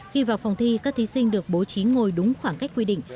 khi vào phòng thi các thí sinh được bố trí ngồi đúng khoảng cách quy định